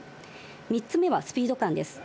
３つ目はスピード感です。